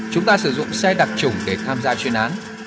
chúng ta sử dụng xe đặc trùng để tham gia chuyên án